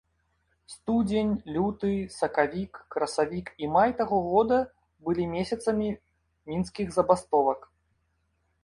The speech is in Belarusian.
Студзень, люты, сакавік, красавік і май таго года былі месяцамі мінскіх забастовак.